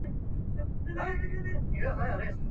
په دامونو ښکار کوي د هوښیارانو.